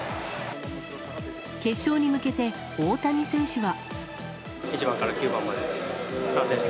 決勝に向けて大谷選手は。